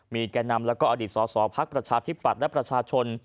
มีแก่นนำและอดีตศาสตรผตัประชาธิปัตย์และประชาชน